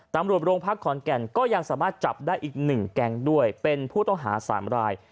ตำรวจโรงพักขอนแก่นก็ยังสามารถจับได้อีก๑แก๊งด้วยเป็นผู้ต้องหา๓ราย